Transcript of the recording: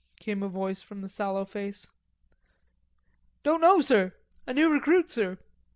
came a voice from the sallow face. "Don't know, sir; a new recruit, sir.